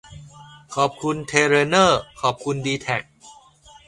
ขอบคุณเทเลนอร์ ขอบคุณดีแทค